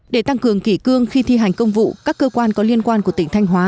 để tăng cường kỷ cương khi thi hành công vụ các cơ quan có liên quan của tỉnh thanh hóa